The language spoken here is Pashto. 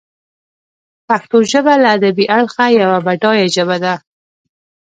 پښتو ژبه له ادبي اړخه یوه بډایه ژبه ده.